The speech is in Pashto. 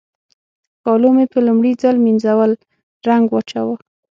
کالو مې په لومړي ځل مينځول رنګ واچاوو.